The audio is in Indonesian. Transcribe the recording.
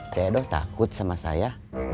seyado takut sama saya